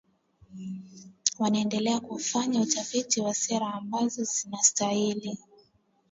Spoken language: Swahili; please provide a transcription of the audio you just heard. wanaendelea kufanya utafiti wa sera ambazo zitastahili